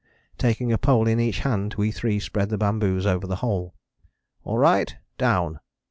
Taking a pole in each hand we three spread the bamboos over the whole. "All right? Down!"